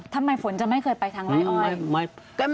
ทำไมฝนจะไม่เคยไปทางไล่อ้อย